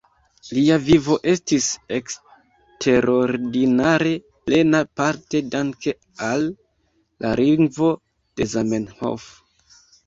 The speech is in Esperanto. Lia vivo estis eksterordinare plena, parte danke al la lingvo de Zamenhof.